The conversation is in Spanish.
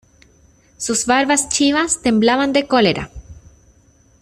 sus barbas chivas temblaban de cólera: